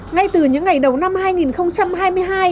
ngay từ những ngày đầu năm hai nghìn hai mươi hai